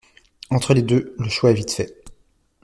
Entre les deux, le choix est vite fait.